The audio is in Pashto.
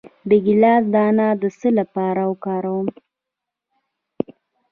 د ګیلاس دانه د څه لپاره وکاروم؟